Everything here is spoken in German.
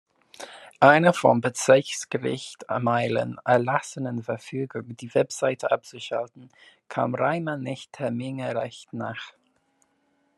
Einer vom Bezirksgericht Meilen erlassenen Verfügung, die Website abzuschalten, kam Reimann nicht termingerecht nach.